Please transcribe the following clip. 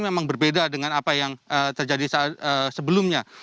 memang berbeda dengan apa yang terjadi sebelumnya